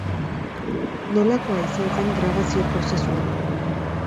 Nolakoa izan zen grabazio-prozesua?